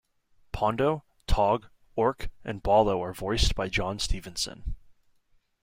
Pondo, Tog, Ork, and Bollo are voiced by John Stephenson.